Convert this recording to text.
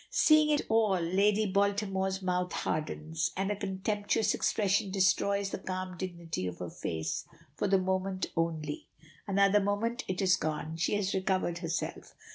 Seeing it all, Lady Baltimore's mouth hardens, and a contemptuous expression destroys the calm dignity of her face. For the moment only. Another moment, and it is gone: she has recovered herself.